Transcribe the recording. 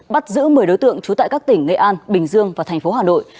bắt giữ một mươi đối tượng trú tại các tỉnh nghệ an bình dương và thành phố hà nội